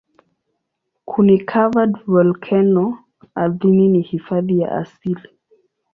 Kuni-covered volkeno ardhini ni hifadhi ya asili.